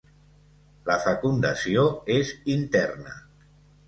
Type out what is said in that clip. La fecundació és interna.